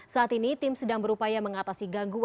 saat ini tim sedang berupaya mengatasi gangguan